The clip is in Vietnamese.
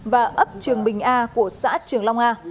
và ấp trường bình a của xã trường long a